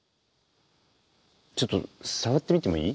ちょっと触ってみてもいい？